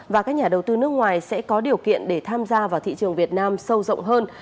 và các nhà đầu tư nước ngoài sẽ có điều kiện để tham gia vào thị trường việt nam sâu rộng hơn